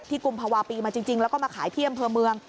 ที่กุมภาวะปีมาจริงแล้วก็มาขายเที่ยมเพียวเมือง